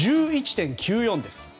１１．９４です。